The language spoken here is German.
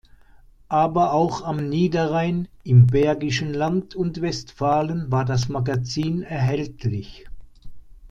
Aber auch am Niederrhein, im Bergischen Land und Westfalen war das Magazin erhältlich.